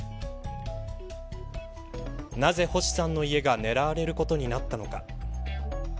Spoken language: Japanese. なぜ、星さんの家が狙われることになったのか。